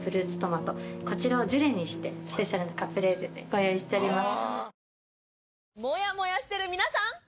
こちらをジュレにしてスペシャルなカプレーゼでご用意しております。